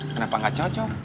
kenapa gak cocok